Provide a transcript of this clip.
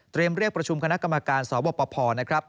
เตรียมเรียกประชุมคณะกรรมการสอบบประพอ